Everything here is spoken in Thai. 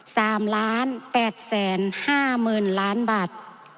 สามล้านแปดแสนห้าหมื่นล้านบาท